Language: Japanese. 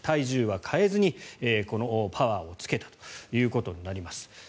体重は変えずにパワーをつけたということになります。